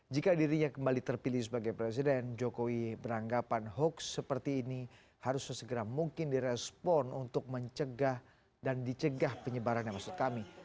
jika dirinya kembali terpilih sebagai presiden jokowi beranggapan hoax seperti ini harus sesegera mungkin direspon untuk mencegah dan dicegah penyebarannya maksud kami